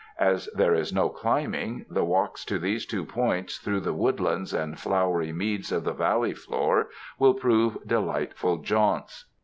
As there is no climbing, the walks to these two points through the woodlands and flowery meads of the Valley floor, will prove delightful jaunts.